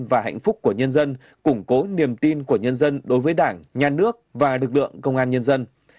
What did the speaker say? và hạnh phúc của nhân dân củng cố niềm tin của nhân dân đối với đảng nhà nước và lực lượng công an nhân dân